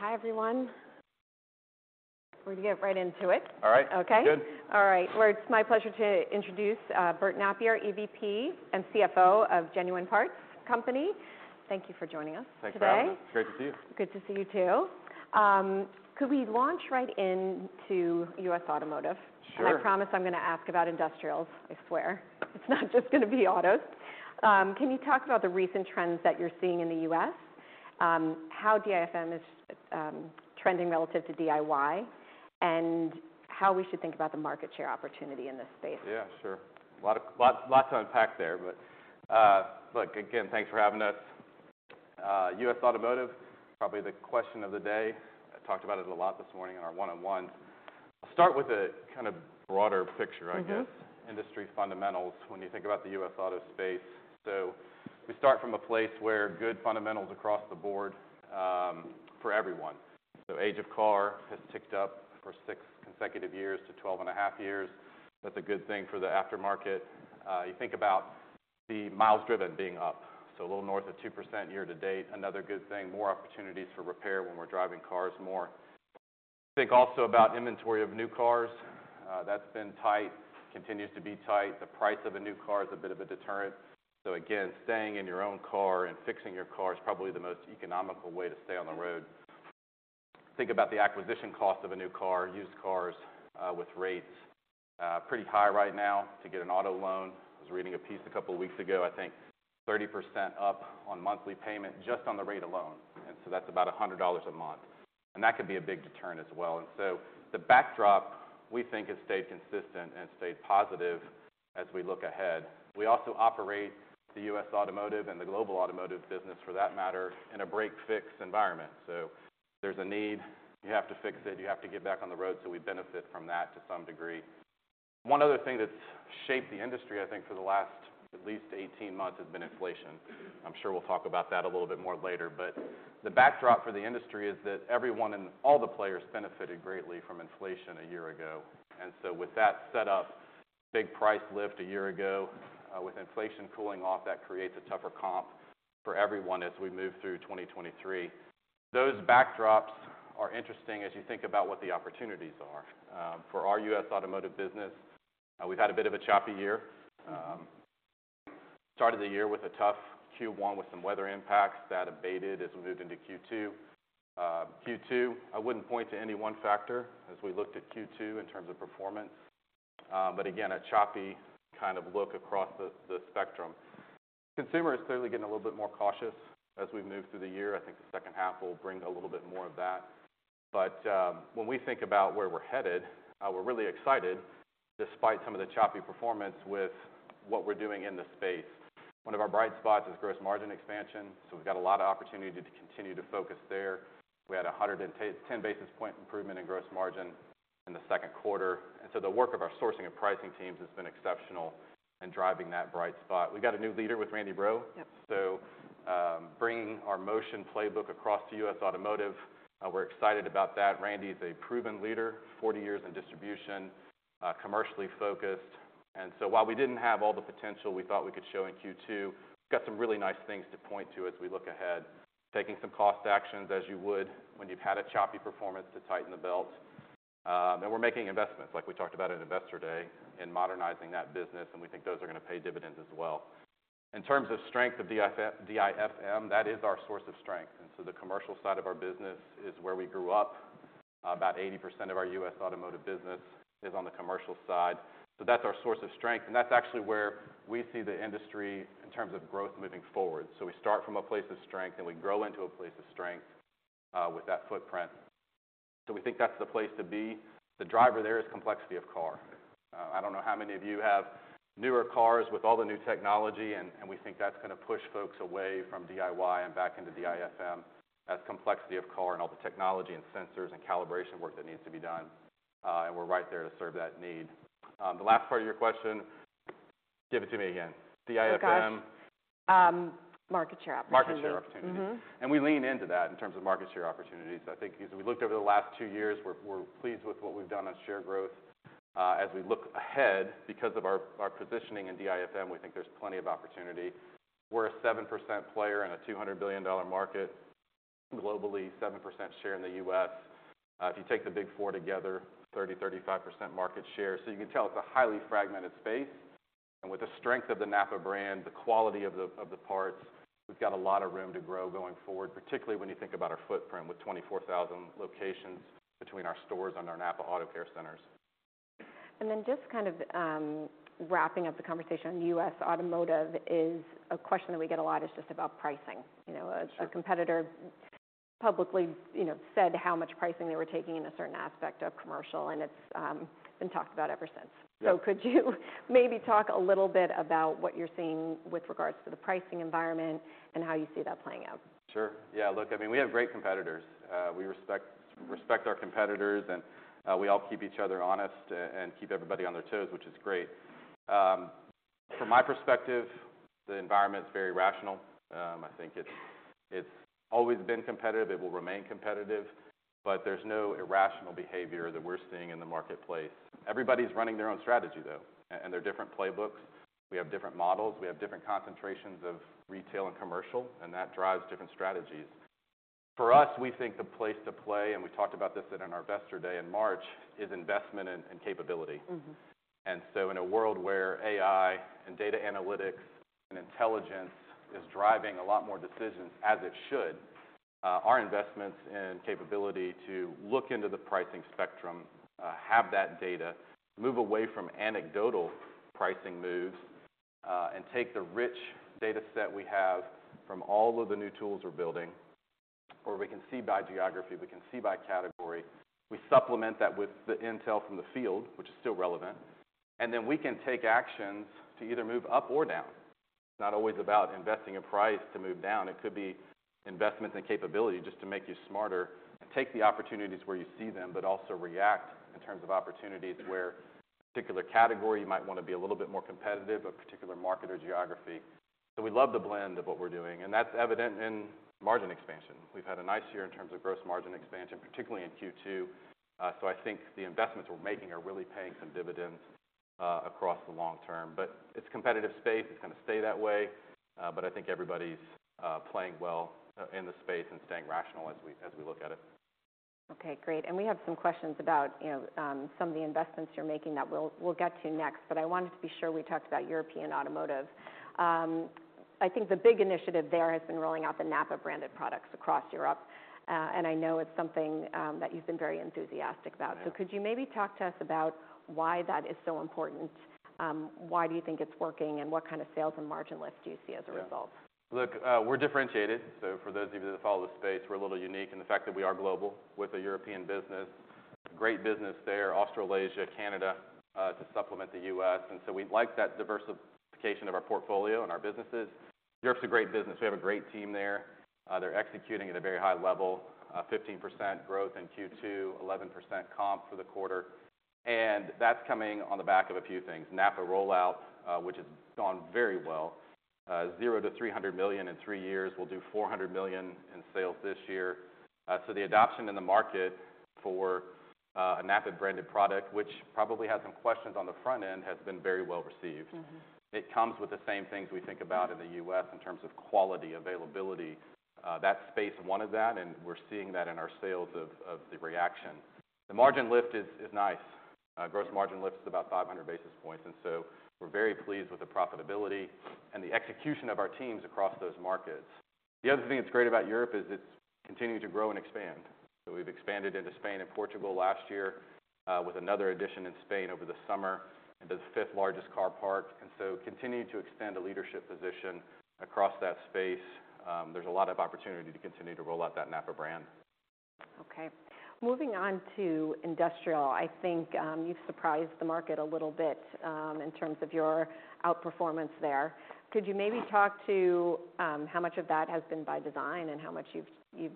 Hi, everyone. We're gonna get right into it. All right. Okay? Good. All right. Well, it's my pleasure to introduce, Bert Nappier, EVP and CFO of Genuine Parts Company. Thank you for joining us- Thanks for having me. - today. Great to see you. Good to see you, too. Could we launch right into U.S. Automotive? Sure. And I promise I'm gonna ask about industrials, I swear. It's not just gonna be autos. Can you talk about the recent trends that you're seeing in the U.S., how DIFM is trending relative to DIY, and how we should think about the market share opportunity in this space? Yeah, sure. A lot, lots to unpack there, but, look, again, thanks for having us. U.S. Automotive, probably the question of the day. I talked about it a lot this morning on our one-on-one. I'll start with a kind of broader picture, I guess. Mm-hmm. Industry fundamentals, when you think about the U.S. auto space. So we start from a place where good fundamentals across the board, for everyone. So age of car has ticked up for 6 consecutive years to 12.5 years. That's a good thing for the aftermarket. You think about the miles driven being up, so a little north of 2% year to date, another good thing. More opportunities for repair when we're driving cars more. Think also about inventory of new cars. That's been tight, continues to be tight. The price of a new car is a bit of a deterrent. So again, staying in your own car and fixing your car is probably the most economical way to stay on the road. Think about the acquisition cost of a new car, used cars, with rates pretty high right now to get an auto loan. I was reading a piece a couple of weeks ago, I think 30% up on monthly payment, just on the rate alone, and so that's about $100 a month, and that could be a big deterrent as well. And so the backdrop, we think, has stayed consistent and stayed positive as we look ahead. We also operate the U.S. automotive and the global automotive business, for that matter, in a break-fix environment. So there's a need, you have to fix it, you have to get back on the road, so we benefit from that to some degree. One other thing that's shaped the industry, I think, for the last at least 18 months has been inflation. I'm sure we'll talk about that a little bit more later, but the backdrop for the industry is that everyone and all the players benefited greatly from inflation a year ago. So with that set up, big price lift a year ago, with inflation cooling off, that creates a tougher comp for everyone as we move through 2023. Those backdrops are interesting as you think about what the opportunities are. For our U.S. automotive business, we've had a bit of a choppy year. Started the year with a tough Q1 with some weather impacts that abated as we moved into Q2. Q2, I wouldn't point to any one factor as we looked at Q2 in terms of performance, but again, a choppy kind of look across the spectrum. Consumer is clearly getting a little bit more cautious as we've moved through the year. I think the second half will bring a little bit more of that. But, when we think about where we're headed, we're really excited, despite some of the choppy performance with what we're doing in the space. One of our bright spots is gross margin expansion, so we've got a lot of opportunity to continue to focus there. We had a 10 basis point improvement in gross margin in the Q2, and so the work of our sourcing and pricing teams has been exceptional in driving that bright spot. We got a new leader with Randy Breaux. Yep. So, bringing our Motion playbook across to U.S. Automotive, we're excited about that. Randy is a proven leader, 40 years in distribution, commercially focused. And so while we didn't have all the potential we thought we could show in Q2, we've got some really nice things to point to as we look ahead. Taking some cost actions, as you would when you've had a choppy performance to tighten the belt. And we're making investments, like we talked about at Investor Day, in modernizing that business, and we think those are gonna pay dividends as well. In terms of strength of DIFM, that is our source of strength, and so the commercial side of our business is where we grew up. About 80% of our U.S. Automotive business is on the commercial side. So that's our source of strength, and that's actually where we see the industry in terms of growth moving forward. So we start from a place of strength, and we grow into a place of strength with that footprint. So we think that's the place to be. The driver there is complexity of car. I don't know how many of you have newer cars with all the new technology, and we think that's gonna push folks away from DIY and back into DIFM. That's complexity of car and all the technology and sensors and calibration work that needs to be done, and we're right there to serve that need. The last part of your question, give it to me again. DIFM- Oh, gosh. Market share opportunity. Market share opportunity. Mm-hmm. We lean into that in terms of market share opportunities. I think as we looked over the last two years, we're pleased with what we've done on share growth. As we look ahead, because of our positioning in DIFM, we think there's plenty of opportunity. We're a 7% player in a $200 billion market, globally, 7% share in the U.S. If you take the Big Four together, 30%-35% market share. So you can tell it's a highly fragmented space, and with the strength of the NAPA brand, the quality of the parts, we've got a lot of room to grow going forward, particularly when you think about our footprint with 24,000 locations between our stores and our NAPA AutoCare centers. Then just kind of wrapping up the conversation, U.S. Automotive is a question that we get a lot is just about pricing. You know- Sure. a competitor publicly, you know, said how much pricing they were taking in a certain aspect of commercial, and it's been talked about ever since. Yeah. Could you maybe talk a little bit about what you're seeing with regards to the pricing environment and how you see that playing out? Sure. Yeah, look, I mean, we have great competitors. We respect, respect our competitors, and we all keep each other honest and keep everybody on their toes, which is great. From my perspective, the environment's very rational. I think it's always been competitive. It will remain competitive, but there's no irrational behavior that we're seeing in the marketplace. Everybody's running their own strategy, though, and their different playbooks. We have different models, we have different concentrations of retail and commercial, and that drives different strategies. For us, we think the place to play, and we talked about this in our Investor Day in March, is investment and capability. Mm-hmm. And so in a world where AI and data analytics and intelligence is driving a lot more decisions, as it should, our investments and capability to look into the pricing spectrum, have that data, move away from anecdotal pricing moves, and take the rich data set we have from all of the new tools we're building, where we can see by geography, we can see by category. We supplement that with the intel from the field, which is still relevant, and then we can take actions to either move up or down. It's not always about investing a price to move down. It could be investments and capability just to make you smarter and take the opportunities where you see them, but also react in terms of opportunities where a particular category, you might wanna be a little bit more competitive, a particular market or geography. So we love the blend of what we're doing, and that's evident in margin expansion. We've had a nice year in terms of gross margin expansion, particularly in Q2. So I think the investments we're making are really paying some dividends across the long term. But it's a competitive space. It's gonna stay that way, but I think everybody's playing well in the space and staying rational as we, as we look at it. Okay, great. And we have some questions about, you know, some of the investments you're making that we'll, we'll get to next, but I wanted to be sure we talked about European automotive. I think the big initiative there has been rolling out the NAPA-branded products across Europe, and I know it's something that you've been very enthusiastic about. Yeah. Could you maybe talk to us about why that is so important? Why do you think it's working, and what kind of sales and margin lift do you see as a result? Yeah. Look, we're differentiated, so for those of you that follow the space, we're a little unique in the fact that we are global with a European business. Great business there, Australasia, Canada, to supplement the U.S., and so we'd like that diversification of our portfolio and our businesses. Europe's a great business. We have a great team there. They're executing at a very high level, 15% growth in Q2, 11% comp for the quarter, and that's coming on the back of a few things. NAPA rollout, which has gone very well. $0-$300 million in three years. We'll do $400 million in sales this year. So the adoption in the market for a NAPA-branded product, which probably had some questions on the front end, has been very well received. Mm-hmm. It comes with the same things we think about in the U.S. in terms of quality, availability. That space wanted that, and we're seeing that in our sales of, of the reaction. The margin lift is, is nice. Gross margin lift's about 500 basis points, and so we're very pleased with the profitability and the execution of our teams across those markets. The other thing that's great about Europe is it's continuing to grow and expand. So we've expanded into Spain and Portugal last year, with another addition in Spain over the summer, into the fifth largest car park, and so continuing to extend a leadership position across that space. There's a lot of opportunity to continue to roll out that NAPA brand. Okay. Moving on to industrial, I think, you've surprised the market a little bit, in terms of your outperformance there. Could you maybe talk to how much of that has been by design and how much you've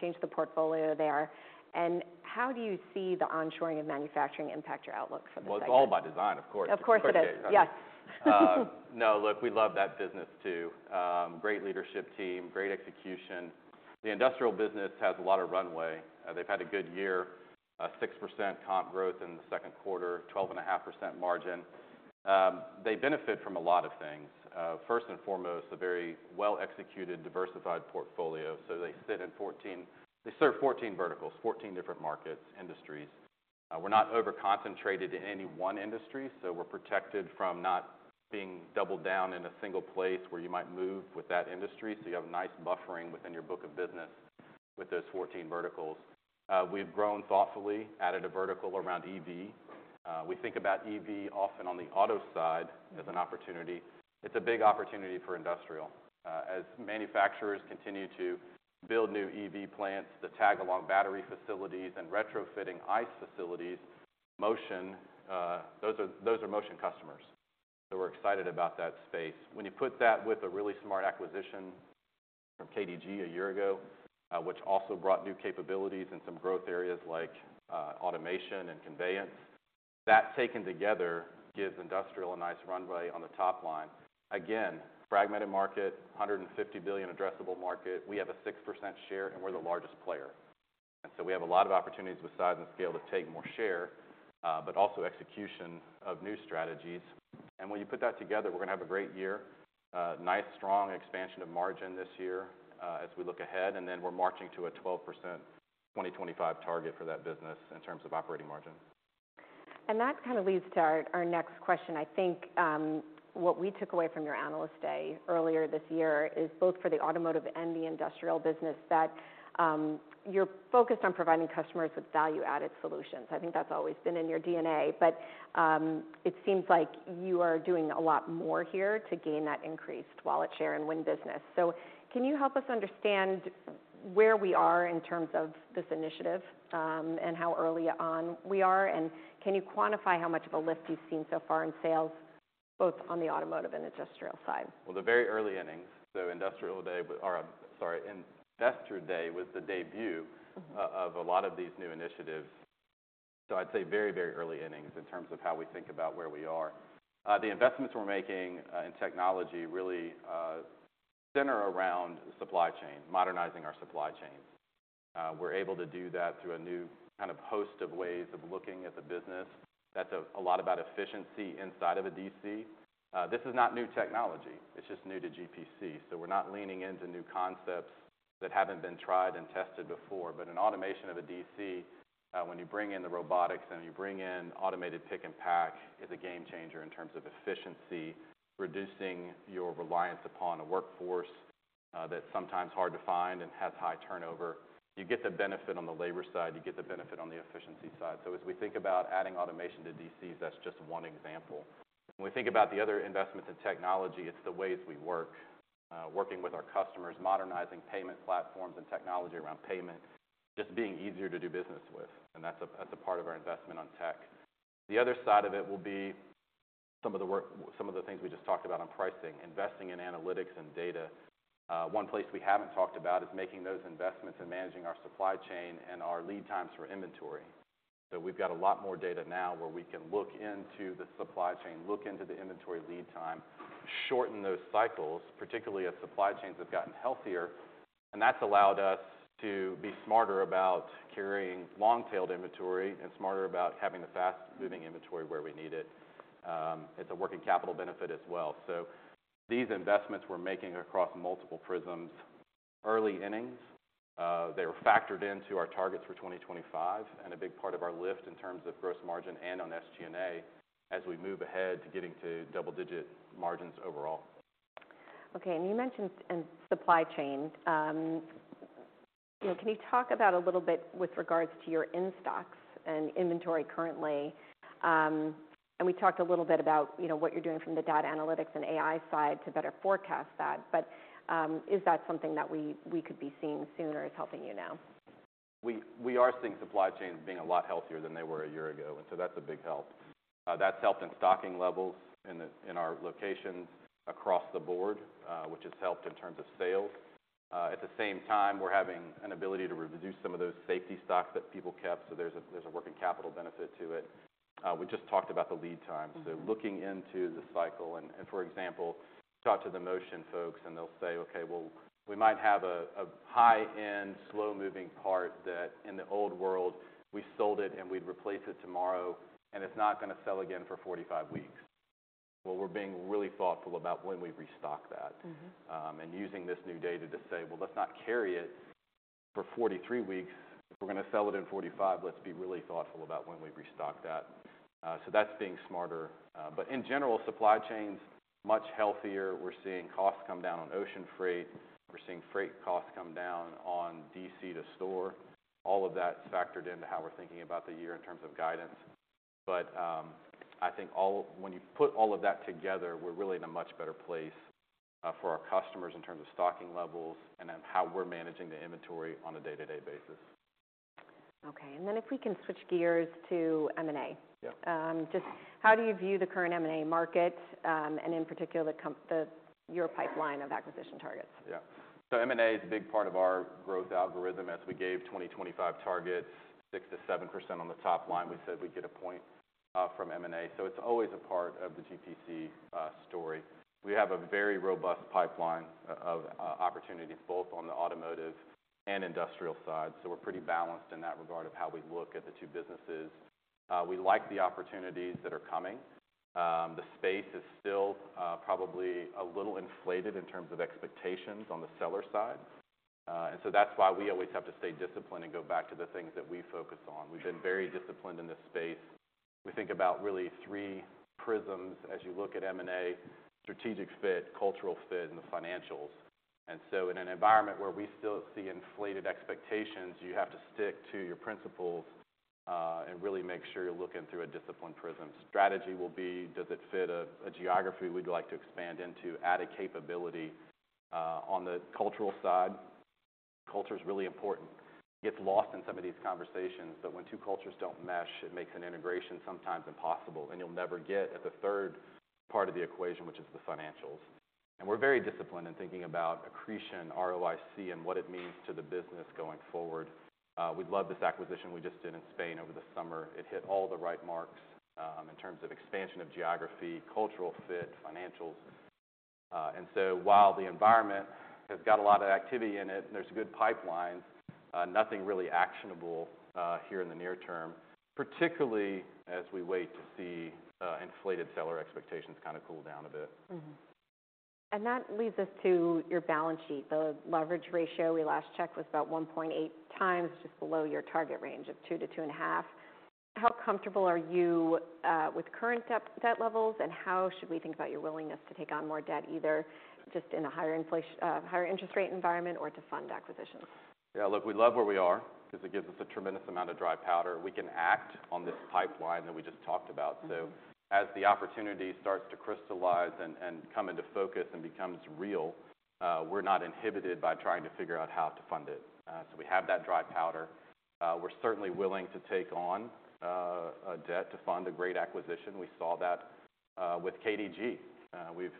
changed the portfolio there? And how do you see the onshoring of manufacturing impact your outlook for the segment? Well, it's all by design, of course. Of course it is. It's pretty great. Yes. No, look, we love that business, too. Great leadership team, great execution. The Industrial business has a lot of runway. They've had a good year, 6% comp growth in the Q2, 12.5% margin. They benefit from a lot of things. First and foremost, a very well-executed, diversified portfolio, so they sit in 14. They serve 14 verticals, 14 different markets, industries. We're not over-concentrated in any one industry, so we're protected from not being doubled down in a single place where you might move with that industry. So you have a nice buffering within your book of business with those 14 verticals. We've grown thoughtfully, added a vertical around EV. We think about EV often on the auto side as an opportunity. It's a big opportunity for industrial. As manufacturers continue to build new EV plants, the tag-along battery facilities and retrofitting ICE facilities, Motion, those are, those are Motion customers. So we're excited about that space. When you put that with a really smart acquisition from KDG a year ago, which also brought new capabilities in some growth areas like, automation and conveyance, that taken together gives industrial a nice runway on the top line. Again, fragmented market, $150 billion addressable market. We have a 6% share, and we're the largest player. And so we have a lot of opportunities besides the scale to take more share, but also execution of new strategies. And when you put that together, we're gonna have a great year. Nice, strong expansion of margin this year, as we look ahead, and then we're marching to a 12% 2025 target for that business in terms of operating margin. And that kind of leads to our next question. I think what we took away from your Analyst Day earlier this year is both for the automotive and the industrial business, that you're focused on providing customers with value-added solutions. I think that's always been in your DNA, but it seems like you are doing a lot more here to gain that increased wallet share and win business. So can you help us understand where we are in terms of this initiative, and how early on we are? And can you quantify how much of a lift you've seen so far in sales, both on the automotive and industrial side? Well, they're very early innings, so Industrial Day, but—or, sorry, Investor Day was the debut- Mm-hmm -of a lot of these new initiatives. So I'd say very, very early innings in terms of how we think about where we are. The investments we're making in technology really center around supply chain, modernizing our supply chain. We're able to do that through a new kind of host of ways of looking at the business. That's a lot about efficiency inside of a DC. This is not new technology; it's just new to GPC. So we're not leaning into new concepts that haven't been tried and tested before. But in automation of a DC, when you bring in the robotics and you bring in automated pick and pack, is a game changer in terms of efficiency, reducing your reliance upon a workforce that's sometimes hard to find and has high turnover. You get the benefit on the labor side, you get the benefit on the efficiency side. So as we think about adding automation to DCs, that's just one example. When we think about the other investments in technology, it's the ways we work. Working with our customers, modernizing payment platforms and technology around payment, just being easier to do business with, and that's a, that's a part of our investment on tech. The other side of it will be some of the things we just talked about on pricing, investing in analytics and data. One place we haven't talked about is making those investments and managing our supply chain and our lead times for inventory. So we've got a lot more data now where we can look into the supply chain, look into the inventory lead time, shorten those cycles, particularly as supply chains have gotten healthier, and that's allowed us to be smarter about carrying long-tailed inventory and smarter about having the fast-moving inventory where we need it. It's a working capital benefit as well. So these investments we're making across multiple prisms, early innings, they were factored into our targets for 2025, and a big part of our lift in terms of gross margin and on SG&A as we move ahead to getting to double-digit margins overall. Okay, and you mentioned in supply chain. You know, can you talk about a little bit with regards to your in-stocks and inventory currently? And we talked a little bit about, you know, what you're doing from the data analytics and AI side to better forecast that. But, is that something that we, we could be seeing sooner is helping you now? We are seeing supply chains being a lot healthier than they were a year ago, and so that's a big help. That's helped in stocking levels in our locations across the board, which has helped in terms of sales. At the same time, we're having an ability to reduce some of those safety stocks that people kept, so there's a working capital benefit to it. We just talked about the lead time. Mm-hmm. So looking into the cycle and, for example, talk to the Motion folks and they'll say: Okay, well, we might have a high-end, slow-moving part that in the old world, we sold it and we'd replace it tomorrow, and it's not gonna sell again for 45 weeks. Well, we're being really thoughtful about when we restock that. Mm-hmm. And using this new data to say, "Well, let's not carry it for 43 weeks. If we're gonna sell it in 45, let's be really thoughtful about when we restock that." So that's being smarter. But in general, supply chain's much healthier. We're seeing costs come down on ocean freight. We're seeing freight costs come down on DC to store. All of that is factored into how we're thinking about the year in terms of guidance. But I think all of... When you put all of that together, we're really in a much better place for our customers in terms of stocking levels and then how we're managing the inventory on a day-to-day basis. Okay. Then if we can switch gears to M&A. Yeah. Just how do you view the current M&A market, and in particular, your pipeline of acquisition targets? Yeah. So M&A is a big part of our growth algorithm. As we gave 2025 targets, 6%-7% on the top line, we said we'd get a point from M&A. So it's always a part of the GPC story. We have a very robust pipeline of opportunities, both on the automotive and industrial side, so we're pretty balanced in that regard of how we look at the two businesses. We like the opportunities that are coming. The space is still probably a little inflated in terms of expectations on the seller side. And so that's why we always have to stay disciplined and go back to the things that we focus on. We've been very disciplined in this space. We think about really three prisms as you look at M&A: strategic fit, cultural fit, and the financials. In an environment where we still see inflated expectations, you have to stick to your principles, and really make sure you're looking through a disciplined prism. Strategy will be, does it fit a geography we'd like to expand into, add a capability? On the cultural side, culture is really important. It gets lost in some of these conversations, but when two cultures don't mesh, it makes an integration sometimes impossible, and you'll never get at the third part of the equation, which is the financials. And we're very disciplined in thinking about accretion, ROIC, and what it means to the business going forward. We love this acquisition we just did in Spain over the summer. It hit all the right marks, in terms of expansion of geography, cultural fit, financials. While the environment has got a lot of activity in it and there's good pipelines, nothing really actionable here in the near term, particularly as we wait to see inflated seller expectations kind of cool down a bit. Mm-hmm. And that leads us to your balance sheet. The leverage ratio we last checked was about 1.8 times, just below your target range of two to 2.5. How comfortable are you with current debt, debt levels, and how should we think about your willingness to take on more debt, either just in a higher inflation-higher interest rate environment or to fund acquisitions? Yeah, look, we love where we are because it gives us a tremendous amount of dry powder. We can act on this pipeline that we just talked about. Mm-hmm. So as the opportunity starts to crystallize and, and come into focus and becomes real, we're not inhibited by trying to figure out how to fund it. So we have that dry powder. We're certainly willing to take on, a debt to fund a great acquisition. We saw that, with KDG. We've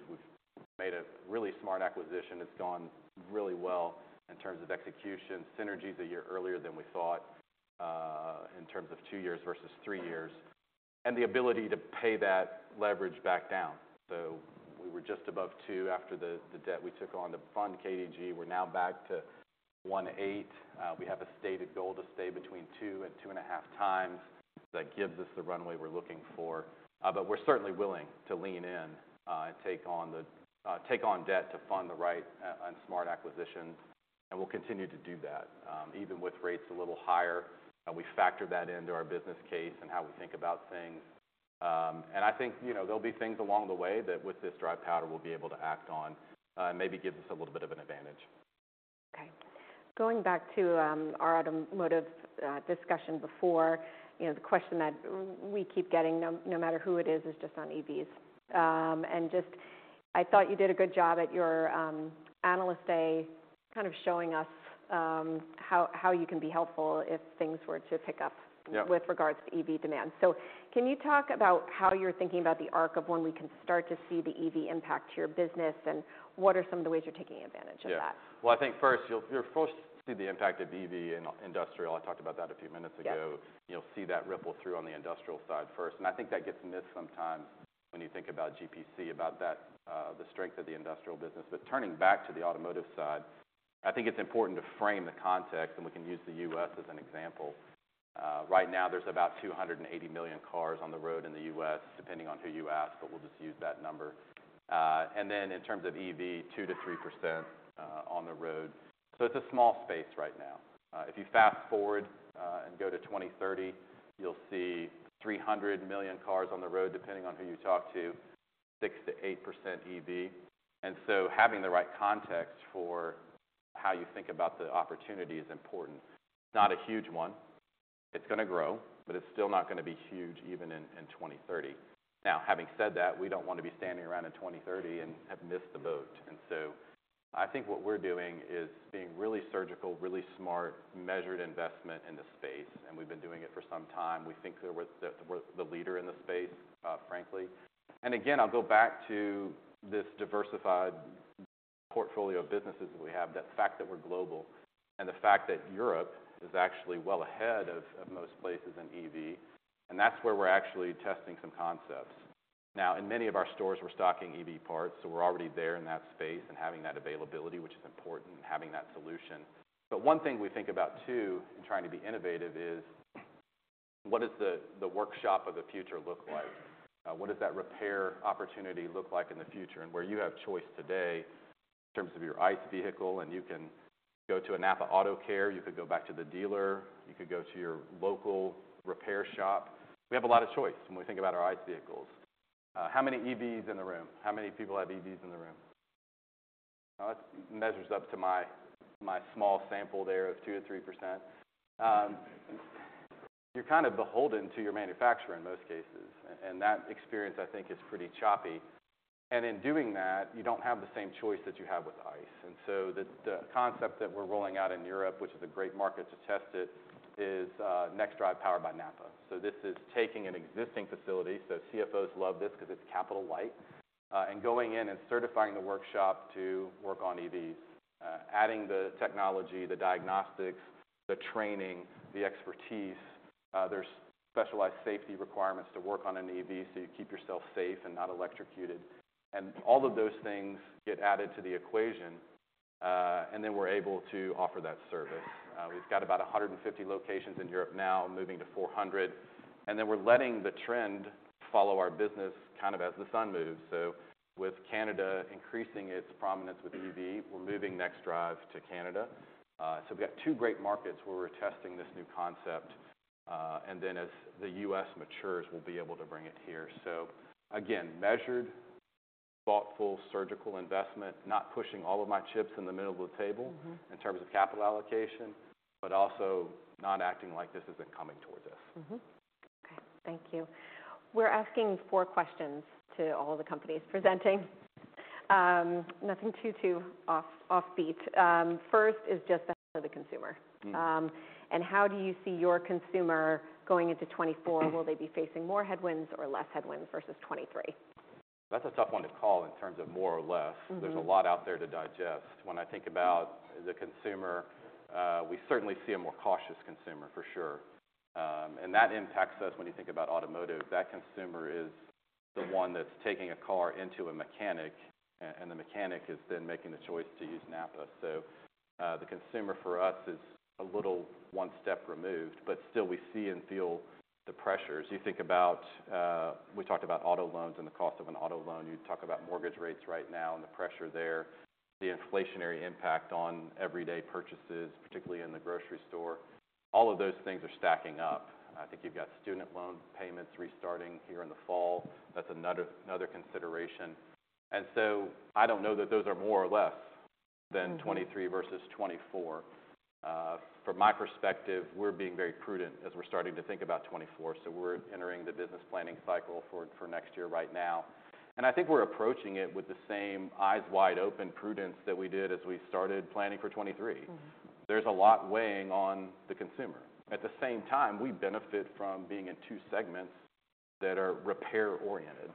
made a really smart acquisition. It's gone really well in terms of execution, synergies a year earlier than we thought, in terms of two years versus three years, and the ability to pay that leverage back down. So we were just above two after the, the debt we took on to fund KDG. We're now back to 1.8. We have a stated goal to stay between two and 2.5 times. That gives us the runway we're looking for, but we're certainly willing to lean in, and take on debt to fund the right and smart acquisitions, and we'll continue to do that. Even with rates a little higher, we factor that into our business case and how we think about things. And I think, you know, there'll be things along the way that with this dry powder, we'll be able to act on, and maybe give us a little bit of an advantage. Okay. Going back to our automotive discussion before, you know, the question that we keep getting, no matter who it is, is just on EVs. And just I thought you did a good job at your Analyst Day, kind of showing us how you can be helpful if things were to pick up- Yeah -with regards to EV demand. So can you talk about how you're thinking about the arc of when we can start to see the EV impact to your business, and what are some of the ways you're taking advantage of that? Yeah. Well, I think first, you'll see the impact of EV in industrial. I talked about that a few minutes ago. Yeah. You'll see that ripple through on the industrial side first, and I think that gets missed sometimes when you think about GPC, about that, the strength of the industrial business. But turning back to the automotive side, I think it's important to frame the context, and we can use the U.S. as an example. Right now, there's about 280 million cars on the road in the U.S., depending on who you ask, but we'll just use that number. And then in terms of EV, 2%-3% on the road. So it's a small space right now. If you fast-forward and go to 2030, you'll see 300 million cars on the road, depending on who you talk to, 6%-8% EV. And so having the right context for how you think about the opportunity is important. Not a huge one. It's gonna grow, but it's still not gonna be huge even in 2030. Now, having said that, we don't want to be standing around in 2030 and have missed the boat. And so I think what we're doing is being really surgical, really smart, measured investment in the space, and we've been doing it for some time. We think that we're the leader in the space, frankly. And again, I'll go back to this diversified portfolio of businesses that we have, the fact that we're global and the fact that Europe is actually well ahead of most places in EV, and that's where we're actually testing some concepts. Now, in many of our stores, we're stocking EV parts, so we're already there in that space and having that availability, which is important, and having that solution. One thing we think about, too, in trying to be innovative is, what does the workshop of the future look like? What does that repair opportunity look like in the future? And where you have choice today in terms of your ICE vehicle, and you can go to a Napa AutoCare, you could go back to the dealer, you could go to your local repair shop. We have a lot of choice when we think about our ICE vehicles. How many EVs in the room? How many people have EVs in the room? That measures up to my small sample there of 2%-3%. You're kind of beholden to your manufacturer in most cases, and that experience, I think, is pretty choppy. And in doing that, you don't have the same choice that you have with ICE. The concept that we're rolling out in Europe, which is a great market to test it, is NexDrive powered by NAPA. So this is taking an existing facility, so CFOs love this because it's capital light, and going in and certifying the workshop to work on EVs. Adding the technology, the diagnostics, the training, the expertise, there's specialized safety requirements to work on an EV, so you keep yourself safe and not electrocuted. And all of those things get added to the equation, and then we're able to offer that service. We've got about 150 locations in Europe now, moving to 400, and then we're letting the trend follow our business kind of as the sun moves. So with Canada increasing its prominence with EV, we're moving NexDrive to Canada. So we've got two great markets where we're testing this new concept, and then as the U.S. matures, we'll be able to bring it here. So again, measured, thoughtful, surgical investment, not pushing all of my chips in the middle of the table- Mm-hmm -in terms of capital allocation, but also not acting like this isn't coming towards us. Mm-hmm. Okay, thank you. We're asking four questions to all the companies presenting. Nothing too offbeat. First is just the health of the consumer. Mm. How do you see your consumer going into 2024? Will they be facing more headwinds or less headwinds versus 2023? That's a tough one to call in terms of more or less. Mm-hmm. There's a lot out there to digest. When I think about the consumer, we certainly see a more cautious consumer, for sure. And that impacts us when you think about automotive. That consumer is the one that's taking a car into a mechanic, and the mechanic is then making the choice to use NAPA. So, the consumer for us is a little one step removed, but still we see and feel the pressures. You think about-We talked about auto loans and the cost of an auto loan. You talk about mortgage rates right now and the pressure there, the inflationary impact on everyday purchases, particularly in the grocery store. All of those things are stacking up. I think you've got student loan payments restarting here in the fall. That's another, another consideration. And so I don't know that those are more or less- Mm-hmm -than 2023 versus 2024. From my perspective, we're being very prudent as we're starting to think about 2024, so we're entering the business planning cycle for next year right now. And I think we're approaching it with the same eyes wide open prudence that we did as we started planning for 2023. Mm-hmm. There's a lot weighing on the consumer. At the same time, we benefit from being in two segments that are repair-oriented.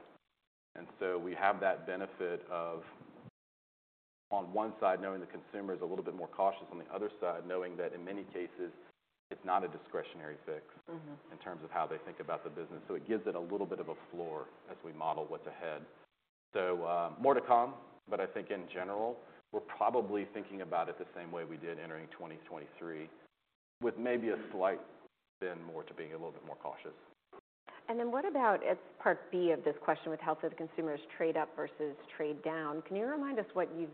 And so we have that benefit of, on one side, knowing the consumer is a little bit more cautious, on the other side, knowing that in many cases it's not a discretionary fix. Mm-hmm. In terms of how they think about the business. So it gives it a little bit of a floor as we model what's ahead. So, more to come, but I think in general, we're probably thinking about it the same way we did entering 2023, with maybe a slight bend more to being a little bit more cautious. And then what about, as part B of this question, with how do the consumers trade up versus trade down? Can you remind us what you've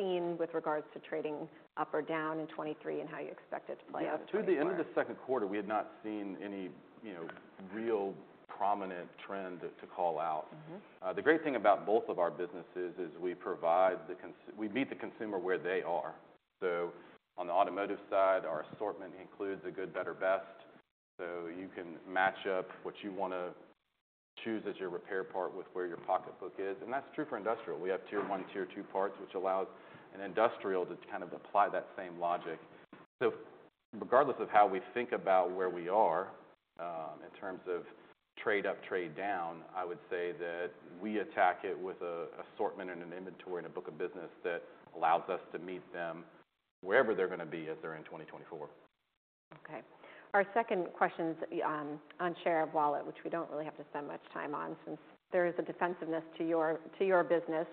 seen with regards to trading up or down in 2023, and how you expect it to play out in 2024? Yeah, through the end of the Q2, we had not seen any, you know, real prominent trend to call out. Mm-hmm. The great thing about both of our businesses is we provide the cons-we meet the consumer where they are. So on the automotive side, our assortment includes a good, better, best, so you can match up what you want to choose as your repair part with where your pocketbook is, and that's true for industrial. We have Tier 1, Tier 2 parts, which allows an industrial to kind of apply that same logic. So regardless of how we think about where we are, in terms of trade up, trade down, I would say that we attack it with a assortment and an inventory and a book of business that allows us to meet them wherever they're gonna be as they're in 2024. Okay. Our second question's on share of wallet, which we don't really have to spend much time on, since there is a defensiveness to your, to your business.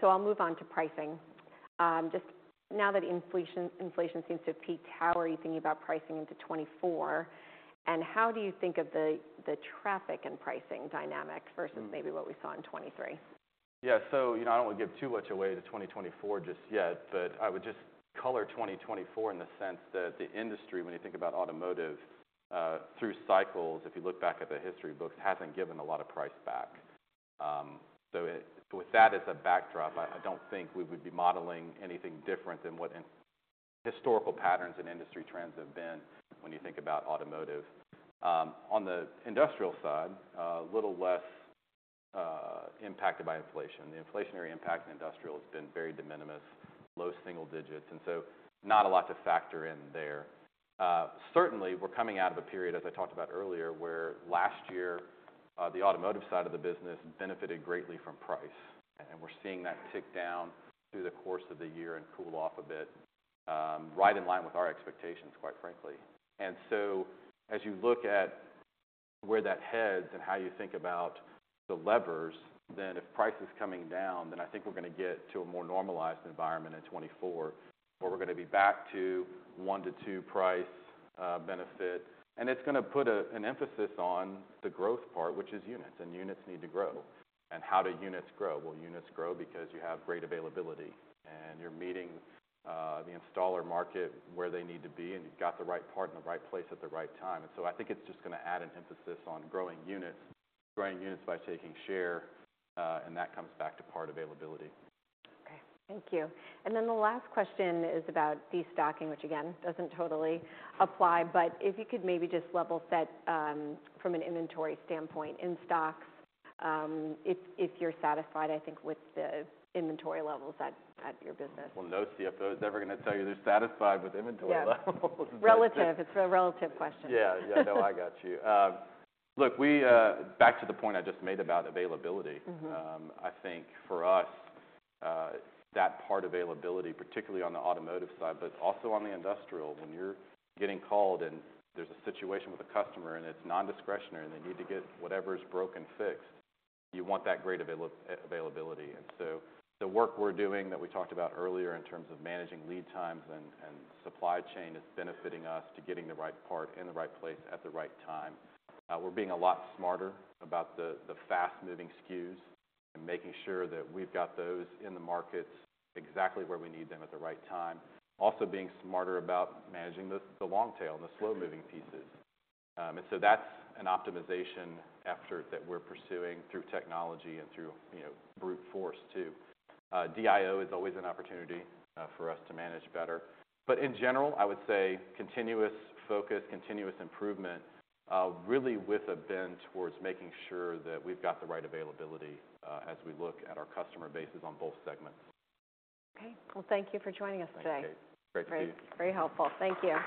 So I'll move on to pricing. Just now that inflation seems to have peaked, how are you thinking about pricing into 2024? And how do you think of the, the traffic and pricing dynamic versus- Mm. Maybe what we saw in 2023? Yeah. So, you know, I don't want to give too much away to 2024 just yet, but I would just color 2024 in the sense that the industry, when you think about automotive, through cycles, if you look back at the history books, hasn't given a lot of price back. So, with that as a backdrop, I don't think we would be modeling anything different than what in historical patterns and industry trends have been when you think about automotive. On the industrial side, a little less impacted by inflation. The inflationary impact in industrial has been very de minimis, low single digits, and so not a lot to factor in there. Certainly, we're coming out of a period, as I talked about earlier, where last year, the automotive side of the business benefited greatly from price, and we're seeing that tick down through the course of the year and cool off a bit, right in line with our expectations, quite frankly. And so, as you look at where that heads and how you think about the levers, then if price is coming down, then I think we're gonna get to a more normalized environment in 2024, where we're gonna be back to one to two price benefit. And it's gonna put a, an emphasis on the growth part, which is units, and units need to grow. And how do units grow? Well, units grow because you have great availability, and you're meeting the installer market where they need to be, and you've got the right part in the right place at the right time. And so I think it's just gonna add an emphasis on growing units, growing units by taking share, and that comes back to part availability. Okay, thank you. And then the last question is about destocking, which, again, doesn't totally apply, but if you could maybe just level set from an inventory standpoint, in stock, if you're satisfied, I think, with the inventory levels at your business. Well, no CFO is ever gonna tell you they're satisfied with inventory levels. Relative. It's a relative question. Yeah. Yeah, no, I got you. Look, we-Back to the point I just made about availability- Mm-hmm. I think for us, that part availability, particularly on the automotive side, but also on the industrial, when you're getting called and there's a situation with a customer and it's nondiscretionary and they need to get whatever is broken fixed, you want that great availability. And so the work we're doing, that we talked about earlier in terms of managing lead times and supply chain, is benefiting us to getting the right part in the right place at the right time. We're being a lot smarter about the fast-moving SKUs and making sure that we've got those in the markets exactly where we need them at the right time. Also being smarter about managing the long tail and the slow-moving pieces. And so that's an optimization effort that we're pursuing through technology and through, you know, brute force, too. DIO is always an opportunity for us to manage better. But in general, I would say continuous focus, continuous improvement, really with a bend towards making sure that we've got the right availability, as we look at our customer bases on both segments. Okay. Well, thank you for joining us today. Thank you. Great to be here. Very helpful. Thank you.